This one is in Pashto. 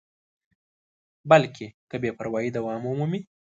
بلکې که بې پروایي دوام ومومي.